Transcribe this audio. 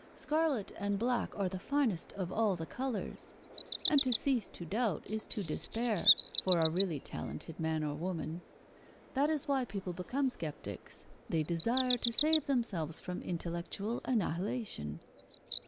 Scarlet and black are the finest of all the colours. And to cease to doubt is to despair for a really talented man or woman. That is why people become sceptics. They desire to save themselves from intellectual annihilation."